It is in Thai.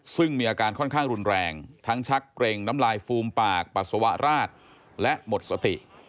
ซึ่งมีอาการค่อนข้างรุนแรงทั้งชักเกร็งน้ำลายฟูมปากปัสสาวะราดและหมดสติ